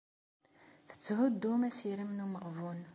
Tetthuddum asirem n umeɣbun.